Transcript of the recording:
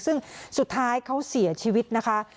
ซึ่งสุดท้ายเขาเสียชีวิตนะคะ